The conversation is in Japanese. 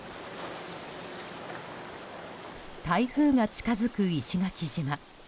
台風が近づく石垣島。